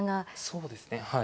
そうですねはい。